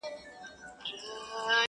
حقيقت لا هم پټ دی ډېر,